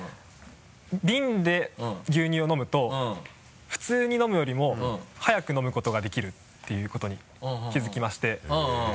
ビンで牛乳を飲むと普通に飲むよりも早く飲むことができるっていうことに気づきまして。